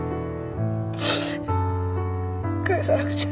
返さなくちゃ。